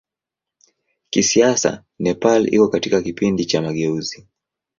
Kisiasa Nepal iko katika kipindi cha mageuzi.